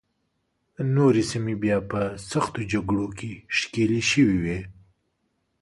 نورې سیمې بیا په سختو جګړو کې ښکېلې شوې وې.